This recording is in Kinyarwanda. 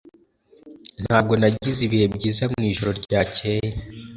Ntabwo nagize ibihe byiza mwijoro ryakeye.